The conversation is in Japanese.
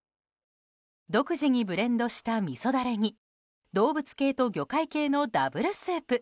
独自にブレンドしたみそダレに動物系と魚介系のダブルスープ。